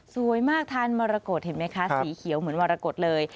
สวยมากทานมรกฏเห็นไหมคะสีเขียวเหมือนมรกฏเลย